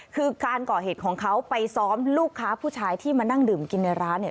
คือการก่อเหตุของเขาไปซ้อมลูกค้าผู้ชายที่มานั่งดื่มกินในร้านเนี่ย